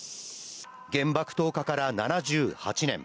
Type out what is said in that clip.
原爆投下から７８年。